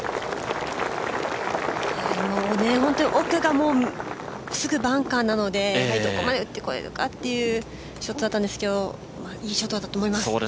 奥がすぐバンカーなのでどこまで打ってこれるかっていうショットだったんですけどいいショットだったと思います。